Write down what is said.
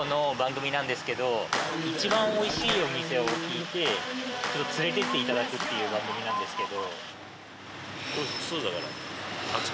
一番おいしいお店を聞いて連れてっていただくという番組なんですけど。